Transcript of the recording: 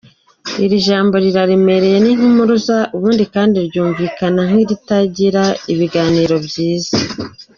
Iri jambo riraremereye ni nk’impuruza ubundi kandi ryumvikana nk’iritagira ibiganiro byiza.